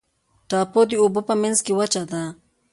ټاپو د اوبو په منځ کې وچه ده.